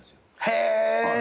へえ！